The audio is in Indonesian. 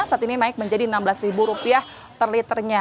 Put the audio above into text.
saat ini naik menjadi rp enam belas per liternya